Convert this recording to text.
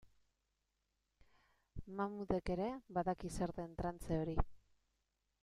Mahmudek ere badaki zer den trantze hori.